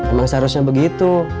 emang seharusnya begitu